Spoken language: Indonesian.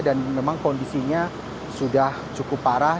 dan memang kondisinya sudah cukup parah